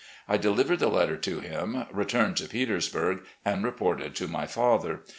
I delivered the letter to him, returned to Petersburg, and reported to my father.